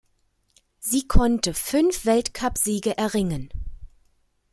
Sie konnte fünf Weltcupsiege erringen.